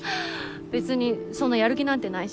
別にそんなやる気なんてないし。